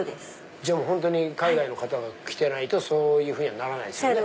本当に海外の方が来てないとそういうふうにならないですよね。